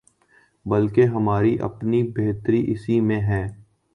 بلکہ ہماری اپنی بہتری اسی میں ہے۔